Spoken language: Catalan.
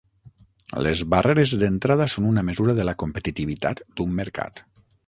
Les barreres d'entrada són una mesura de la competitivitat d'un mercat.